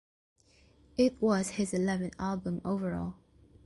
It was his eleventh album overall.